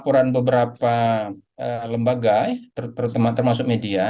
laporan beberapa lembaga termasuk media